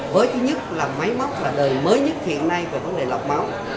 với thứ nhất là máy móc là đời mới nhất hiện nay về vấn đề lọc máu